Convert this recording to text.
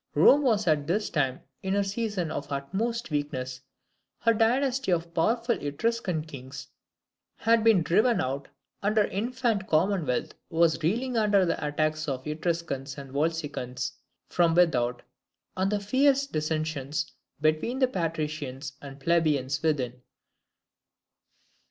Rome was at this time in her season of utmost weakness. Her dynasty of powerful Etruscan kings had been driven out, and her infant commonwealth was reeling under the attacks of the Etruscans and Volscians from without, and the fierce dissensions between the patricians and plebeians within.